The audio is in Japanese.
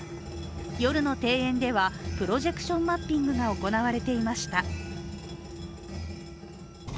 夜の庭園では、プロジェクションマッピングが行われていました。